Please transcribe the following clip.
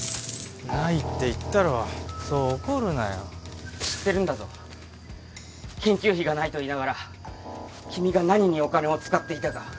ないって言ったろそう怒るな知ってるんだぞ研究費がないと言いながら君が何にお金を使っていたか。